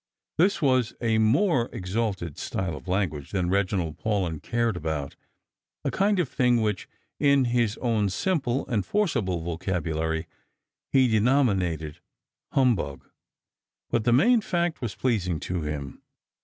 Tliis was a more exalted style of language than Reginald Paulyn cared about — a kind of thing which, in his own simple and forcible vocabulary, ho denominated " humbug "— but the main fact was pleasing to him.